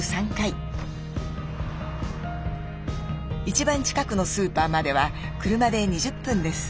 一番近くのスーパーまでは車で２０分です。